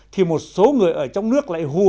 thì một số người ở trong nước lại hùa